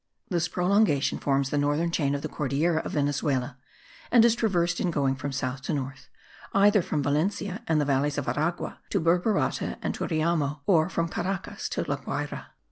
This prolongation forms the northern chain of the Cordillera of Venezuela and is traversed in going from south to north, either from Valencia and the valleys of Aragua, to Burburata and Turiamo, or from Caracas to La Guayra.